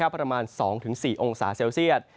ประมาณ๒๔องศาเซลเซียต